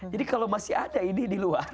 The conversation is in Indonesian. jadi kalo masih ada ini di luar